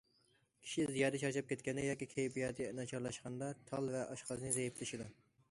كىشى زىيادە چارچاپ كەتكەندە ياكى كەيپىياتى ناچارلاشقاندا، تال ۋە ئاشقازان زەئىپلىشىدۇ.